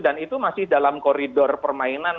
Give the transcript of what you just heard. dan itu masih dalam koridor permainan